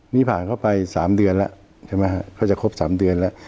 นี่ผ่านเข้าไป๓เดือนแล้วใช่ไหมฮะเขาจะครบ๓เดือนแล้ว